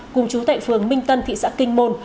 cùng chú tại phường minh tân thị xã kinh môn